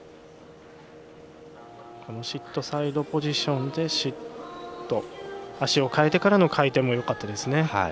シットサイドポジションで足を換えてからの回転もよかったです。